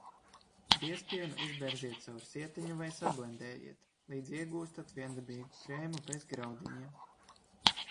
Biezpienu izberziet caur sietiņu vai sablendējiet, līdz iegūstat viendabīgu krēmu bez graudiņiem.